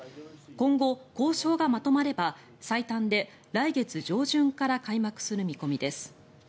今後、交渉がまとまれば最短で来月上旬から開幕する見込みです。